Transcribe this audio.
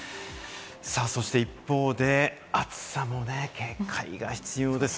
そして一方で、暑さも警戒が必要です。